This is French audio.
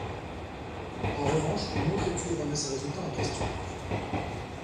En revanche, une autre étude remet ces résultats en question.